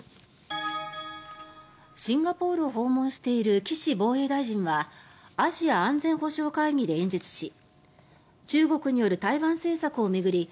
シンガポールを訪問している岸防衛大臣はアジア安全保障会議で演説し中国による台湾政策を巡り